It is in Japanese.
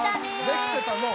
できてたのう。